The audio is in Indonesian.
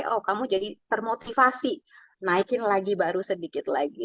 oh kamu jadi termotivasi naikin lagi baru sedikit lagi